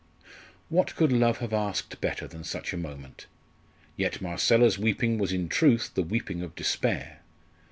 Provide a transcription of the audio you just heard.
What could love have asked better than such a moment? Yet Marcella's weeping was in truth the weeping of despair.